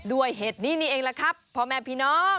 เห็ดนี้นี่เองล่ะครับพ่อแม่พี่น้อง